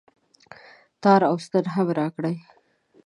تار او ستن هم راکړئ